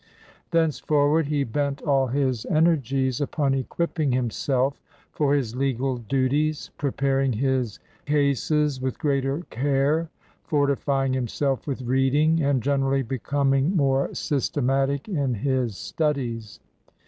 Thenceforward he bent all his energies 196 LEADER OF THE BAR upon equipping himself for his legal duties, pre paring his cases with greater care, fortifying himself with reading, and generally becoming more systematic in his studies.